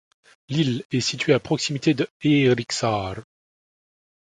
L'île est située à proximité de Eeriksaare.